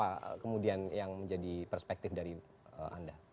apa kemudian yang menjadi perspektif dari anda